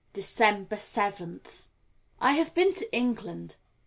December 7th. I have been to England.